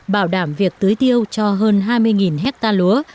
bảo đảm việc tưới tiêu cho hơn hai mươi hectare lúa